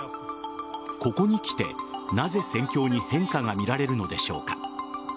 ここにきて、なぜ戦況に変化が見られるのでしょうか。